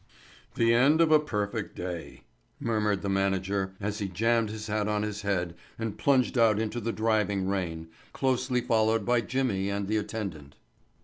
"The end of a perfect day," murmured the manager as he jammed his hat on his head and plunged out into the driving rain, closely followed by Jimmy and the attendant.